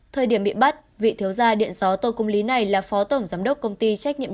thời điểm bị bắt vị thiếu gia điện gió tô công lý này là phó tổng giám đốc công ty trách nhiệm